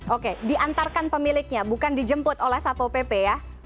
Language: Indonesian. oke diantarkan pemiliknya bukan dijemput oleh satpo pp ya